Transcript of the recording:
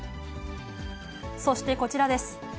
そしてこちらです。